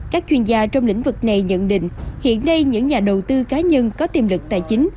các chuyên gia trong lĩnh vực này nhận định hiện nay những nhà đầu tư cá nhân có tiềm lực tài chính